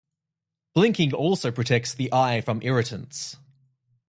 Blinking also protects the eye from irritants.